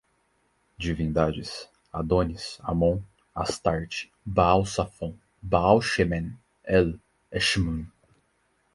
divindades, Adônis, Amon, Astarte, Baal Safon, Baal Shemen, El, Eshmun